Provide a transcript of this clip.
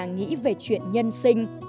nghĩ về chuyện nhân sinh